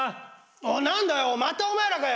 何だよまたお前らかよ。